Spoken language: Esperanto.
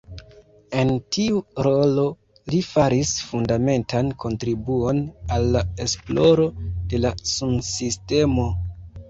En tiu rolo li faris fundamentan kontribuon al la esploro de la sunsistemo.